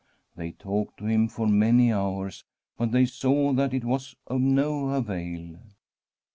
They talked to him for many hours, but they saw that it wa^ of no avail.